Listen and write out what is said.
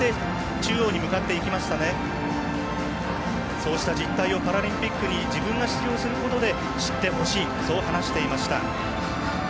そうした実態をパラリンピックに自分が出場することで知ってほしいそう話していました。